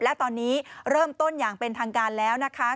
และตอนนี้เริ่มต้นอย่างเป็นทางการแล้วนะคะ